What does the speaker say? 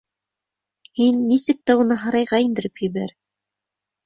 Һин нисек тә уны һарайға индереп ебәр.